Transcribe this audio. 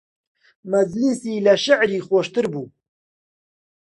مەجلیسی لە شیعری خۆشتر بوو